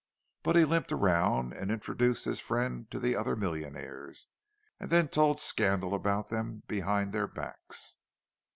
But he limped around and introduced his friend to the other millionaires—and then told scandal about them behind their backs.